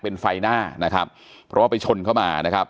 เป็นไฟหน้านะครับเพราะว่าไปชนเข้ามานะครับ